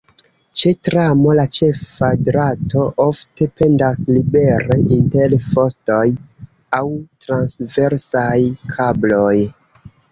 Ĉe tramo la ĉefa drato ofte pendas libere inter fostoj aŭ transversaj kabloj.